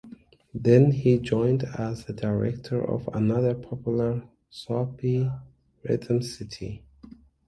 Then he joined as the director of another popular soapie "Rhythm City".